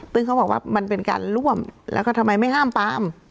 ซึ่งเขาบอกว่ามันเป็นการร่วมแล้วก็ทำไมไม่ห้ามปาม